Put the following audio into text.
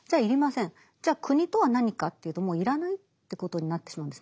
じゃあ国とは何かというともう要らないということになってしまうんですね。